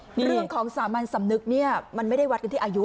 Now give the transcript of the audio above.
เรื่องของสามัญสำนึกเนี่ยมันไม่ได้วัดกันที่อายุ